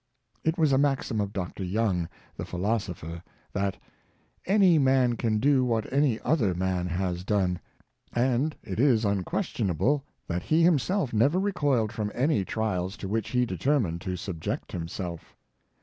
It was a maxim of Dr. Young, the philosopher, that " Any man can do what any other man has done; " and it is unquestionable that he himself never recoiled from any trials to which he determined to subject himself.